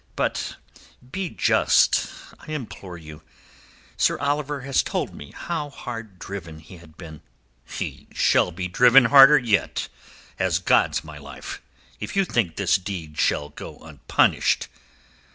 But be just, I implore you. Sir Oliver has told me how hard driven he had been." "He shall be driven harder yet, as God's my life! If you think this deed shall go unpunished...."